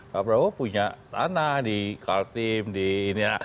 pak prabowo punya tanah di kaltim di ini